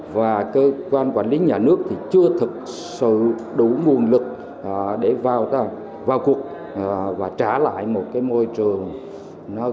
và cơ quan quản lý nhà nước thì chưa thực sự đủ nguồn lực để vào cuộc và trả lại một cái môi trường kinh doanh minh mạch